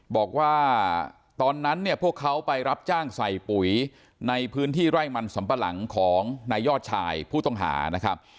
บอกว่าตอนนั้นเนี่ยพวกเขาไปรับจ้างใส่ปุ๋ยในพื้นที่ไร่มันสำปะหลังของนายยอดชายผู้ต้องหานะครับ